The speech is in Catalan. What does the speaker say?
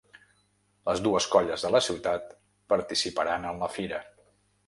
Les dues colles de la ciutat participaran en la fira.